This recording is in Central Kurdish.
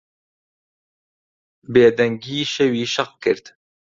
بێدەنگیی شەوی شەق کرد.